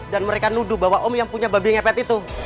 dan mereka nuduh bahwa om yang punya babi ngepet itu